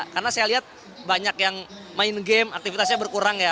karena saya lihat banyak yang main game aktivitasnya berkurang ya